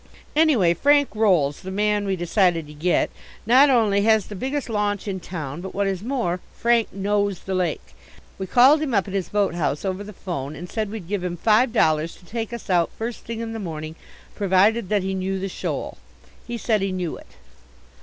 Anyway Frank Rolls, the man we decided to get, not only has the biggest launch in town but what is more Frank knows the lake. We called him up at his boat house over the phone and said we'd give him five dollars to take us out first thing in the morning provided that he knew the shoal. He said he knew it.